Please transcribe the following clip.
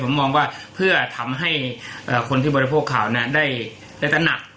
ผมมองว่าเพื่อทำให้คนที่บริโภคข่าวได้ตระหนัก